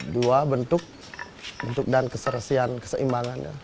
dua bentuk bentuk dan keselesian keseimbangan